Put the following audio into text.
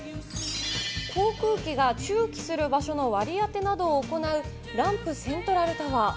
航空機が駐機する場所の割り当てなどを行う、ランプセントラルタワー。